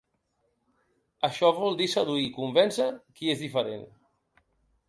Això vol dir seduir i convèncer qui és diferent.